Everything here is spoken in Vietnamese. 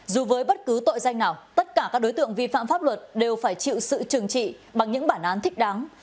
dù với bất cứ tội danh nào tất cả các đối tượng vi phạm pháp luật đều phải chịu sự trừng trị bằng những bản án thích đáng